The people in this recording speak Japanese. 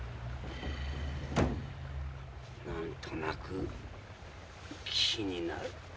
何となく気になる。